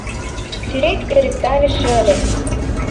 Сӱрет ӧрыктарыше ыле.